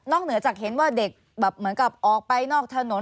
เหนือจากเห็นว่าเด็กแบบเหมือนกับออกไปนอกถนน